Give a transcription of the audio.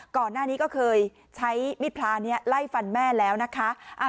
ก่อนหน้านี้ก็เคยใช้มิดพลานี้ไล่ฟันแม่แล้วนะคะ